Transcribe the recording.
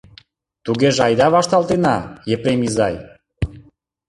— Тугеже айда вашталтена, Епрем изай.